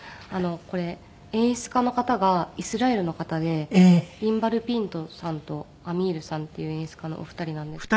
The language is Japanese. これ演出家の方がイスラエルの方でインバル・ピントさんとアミールさんっていう演出家のお二人なんですけど。